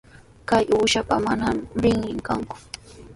Kay uushapa manami rinrin kanku.